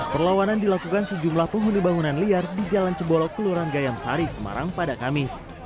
perlawanan dilakukan sejumlah penghuni bangunan liar di jalan cebolo kelurahan gayamsari semarang pada kamis